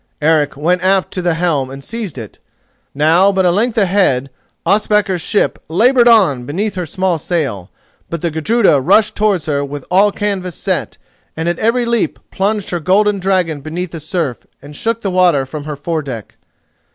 Eric went aft to the helm and seized it. Now but a length ahead Ospakar's ship laboured on beneath her small sail, but the Gudruda rushed towards her with all canvas set and at every leap plunged her golden dragon beneath the surf and shook the water from her foredeck.